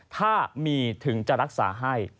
ถ้ามีถึงจะรักษาให้